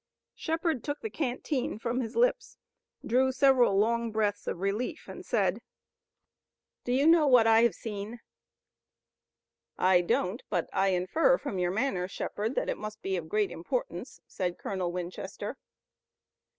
Shepard took the canteen from his lips, drew several long deep breaths of relief and said: "Do you know what I have seen?" "I don't, but I infer from your manner, Shepard, that it must be of great importance," said Colonel Winchester.